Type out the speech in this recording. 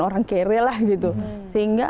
orang kere lah sehingga